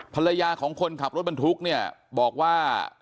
ภรรยาของคนขับรถบรรทุกเนี่ยบอกว่า